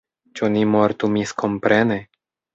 Ĉu ni mortu miskomprene?